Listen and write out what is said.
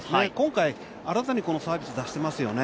今回、改めてこのサーブを出していますよね。